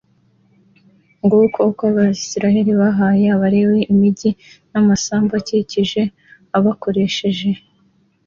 Nguko uko Abisirayeli bahaye Abalewi imigi n amasambu e ayikikije bakoresheje